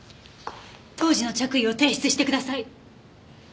当時の着衣を提出してください。